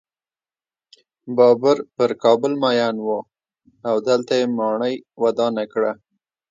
بابر پر کابل مین و او دلته یې ماڼۍ ودانه کړه.